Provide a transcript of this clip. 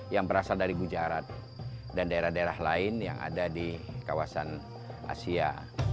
yang berasal dari gujarat dan daerah daerah lain yang ada di kawasan asia